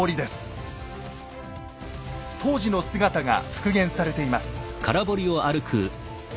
当時の姿が復元されています。